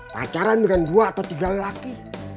pacaran dengan dua atau tiga lelaki